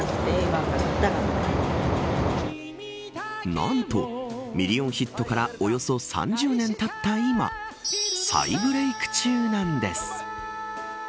何と、ミリオンヒットからおよそ３０年たった今再ブレイク中なんです。